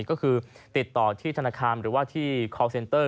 ก็คือติดต่อที่ธนาคารหรือว่าที่คอลเซนเตอร์